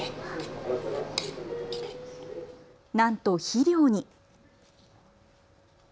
なんと肥料に。